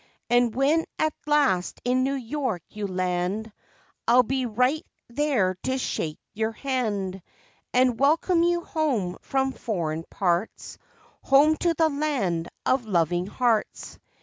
And when at last in New York you land, I'll be 62 LIFE WAVES right there to shake your hand, and welcome you home from foreign parts; home to the land of loving hearts.